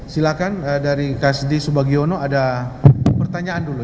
silakan dari kasdi subagiono ada pertanyaan dulu